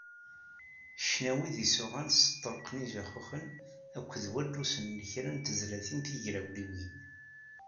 Ccnawi d yisuɣan s ṭṭelq n yijaxuxen akked wallus n kra n tezlatin tigrawliwin.